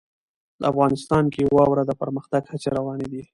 افغانستان کې د واوره د پرمختګ هڅې روانې دي.